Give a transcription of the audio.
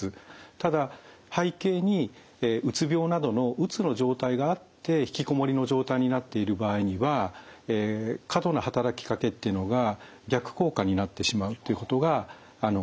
ただ背景にうつ病などのうつの状態があって引きこもりの状態になっている場合には過度な働きかけっていうのが逆効果になってしまうっていうことがありえます。